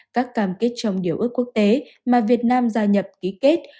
các cam kết trong điều ước quốc tế mà việt nam gia nhập ký kết